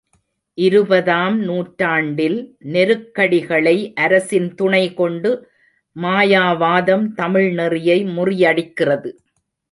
இருபதாம் நூற்றாண்டில் நெருக்கடிகளை அரசின் துணை கொண்டு மாயாவாதம் தமிழ் நெறியை முறியடிக்கிறது.